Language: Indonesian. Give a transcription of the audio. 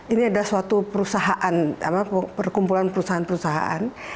ini adalah suatu perusahaan perkumpulan perusahaan perusahaan